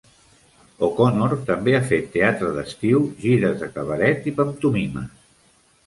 O'Connor també ha fet teatre d'estiu, gires de cabaret i pantomimes.